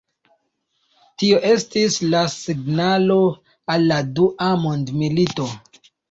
Tio estis la signalo al la dua mondmilito.